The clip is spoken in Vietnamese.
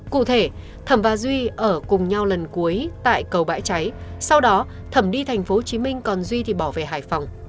cụ thể thẩm và duy ở cùng nhau lần cuối tại cầu bãi cháy sau đó thẩm đi tp hcm còn duy thì bỏ về hải phòng